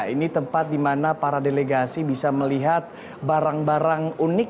ini tempat di mana para delegasi bisa melihat barang barang unik